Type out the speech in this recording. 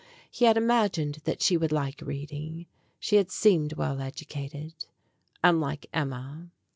He had imagined that she would like reading : she had seemed well educated, unlike Emma.